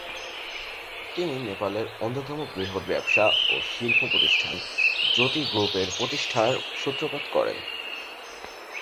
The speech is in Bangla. তিনি নেপালের অন্যতম বৃহৎ ব্যবসা ও শিল্প প্রতিষ্ঠান জ্যোতি গ্রুপের প্রতিষ্ঠার সূত্রপাত করেন।